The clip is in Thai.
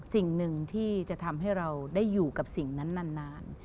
สิ่งหนึ่งที่จะทำให้เราได้อยู่กับสิ่งนั้นนาน